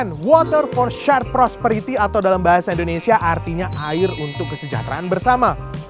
dan water for shared prosperity atau dalam bahasa indonesia artinya air untuk kesejahteraan bersama